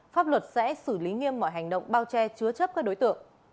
pháp luật sẽ xử lý nghiêm mọi hành động bao che chứa chấp các đối tượng